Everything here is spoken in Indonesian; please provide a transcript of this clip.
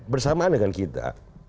bersamaan dengan kita